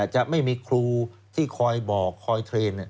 จะไม่มีครูที่คอยบอกคอยเทรนด์